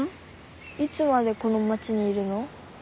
いつまでこの町にいるの？